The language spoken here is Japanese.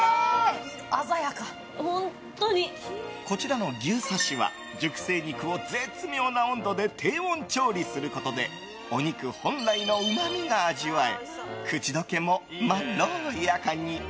こちらの牛刺しは熟成肉を絶妙な温度で低温調理することでお肉本来のうまみが味わえ口溶けもまろやかに。